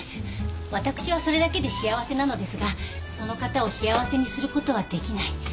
私はそれだけで幸せなのですがその方を幸せにすることはできない。